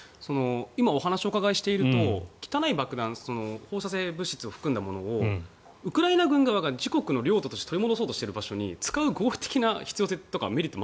今、お話をお伺いしていると汚い爆弾放射性物質を含んだものをウクライナ軍側が自国の領土として取り戻そうとしているところに使う合理的な必要性とかメリット